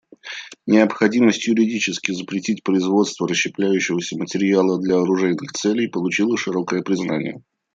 Необходимость юридически запретить производство расщепляющегося материала для оружейных целей получила широкое признание.